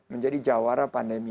menjadi jawara pandemi